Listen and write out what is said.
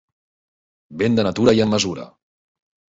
Vent de natura i amb mesura.